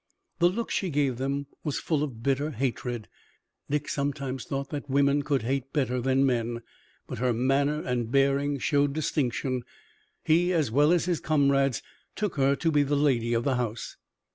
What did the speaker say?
The look she gave them was full of bitter hatred Dick sometimes thought that women could hate better than men but her manner and bearing showed distinction. He, as well as his comrades, took her to be the lady of the house.